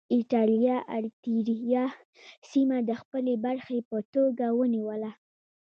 اېټالیا اریتیریا سیمه د خپلې برخې په توګه ونیوله.